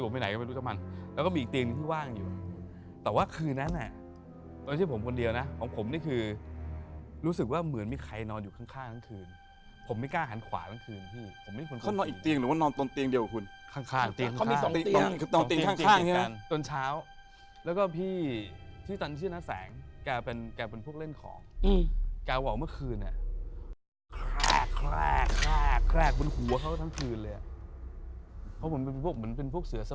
บัดดี้ผมไปไหนก็ไม่รู้จักมัน